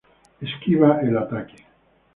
Esquiva el ataque.